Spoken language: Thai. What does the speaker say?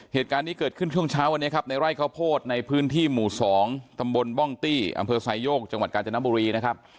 เหตุการณ์นี้เกิดขึ้นช่วงเช้าวันนี้ครับในไร่ข้าวโพดในพื้นที่หมู่๒ตำบลบ้องตี้อำเภอไซโยกจังหวัดกาญจนบุรีนะครับ